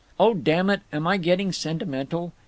Oh damn it, am I getting sentimental?